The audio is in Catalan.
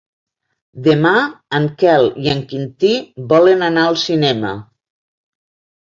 Demà en Quel i en Quintí volen anar al cinema.